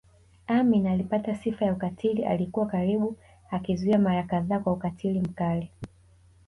Amin alipata sifa ya ukatili alikuwa karibu akizuia mara kadhaa kwa ukatili mkali